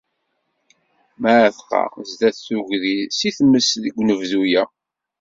Mεatqa, sdat tuggdi seg tmes deg unebdu-a.